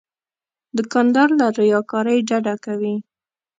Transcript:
دوکاندار له ریاکارۍ ډډه کوي.